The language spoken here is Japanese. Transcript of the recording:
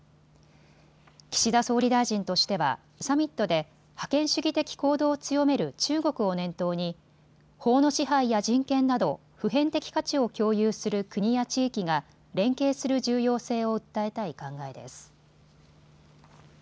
岸田総理大臣としてはサミットで覇権主義的行動を強める中国を念頭に法の支配や人権など普遍的価値を共有する国や地域が連携する重要性を訴えたい考えです。